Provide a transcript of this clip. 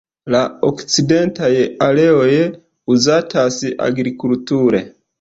La okcidentaj areoj uzatas agrikulture.